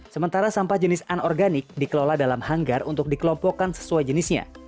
sementara sampah jenis anorganik dikelola dalam hanggar untuk dikelompokkan sesuai jenisnya